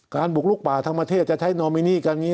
บุกลุกป่าทั้งประเทศจะใช้นอมินีการนี้